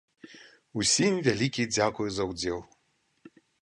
Усім вялікі дзякуй за ўдзел!